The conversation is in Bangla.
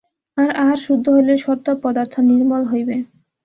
আর আহার শুদ্ধ হইলে সত্ত্ব-পদার্থ নির্মল হইবে।